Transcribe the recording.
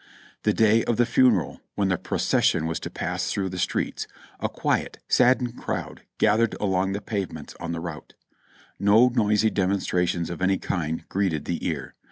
The day of the funeral, when the procession was to pass through the streets, a quiet, saddened crowd gathered along the pave ments on the route. No noisy demonstrations of any kind greeted the ear.